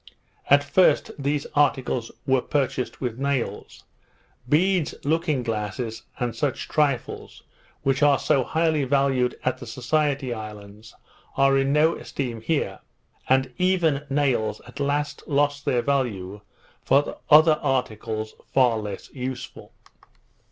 At first these articles were purchased with nails. Beads, looking glasses, and such trifles, which are so highly valued at the Society Isles, are in no esteem here; and even nails at last lost their value for other articles far less useful.